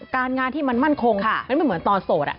การงานที่มันมั่นคงแล้วมันเหมือนตอนโสด